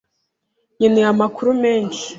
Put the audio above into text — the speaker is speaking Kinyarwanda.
Nkeneye amakuru menshi.